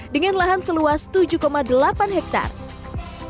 dengan lahan seluas tujuh delapan hektare